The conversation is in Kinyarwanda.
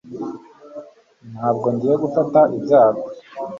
ntabwo ngiye gufata ibyago